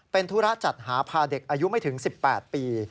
เป็นธุระจัดหาพาเด็กอายุไม่ถึง๑๘ปี